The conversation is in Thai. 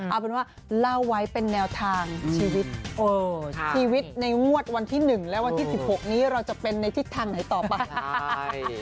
เอาเป็นว่าเล่าไว้เป็นแนวทางชีวิตชีวิตในงวดวันที่๑และวันที่๑๖นี้เราจะเป็นในทิศทางไหนต่อไป